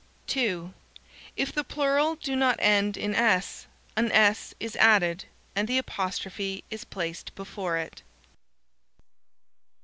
(2) If the plural do not end in "s," an "s" is added, and the apostrophe is placed before it.